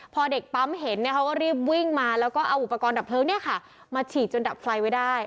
พอเด็กปั๊มเห็นเขาก็รีบวิ่งมาแล้วก็เอาอุปกรณ์ดับเพลิงมาฉีดจนดับไฟไว้ได้